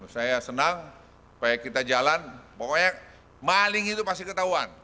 saya senang supaya kita jalan pokoknya maling itu pasti ketahuan